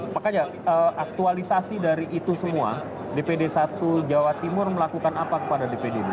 makanya aktualisasi dari itu semua dpd satu jawa timur melakukan apa kepada dpd dua